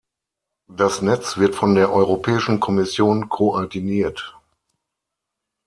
Das Netz wird von der Europäischen Kommission koordiniert.